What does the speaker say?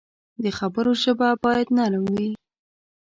د خبرو ژبه باید نرم وي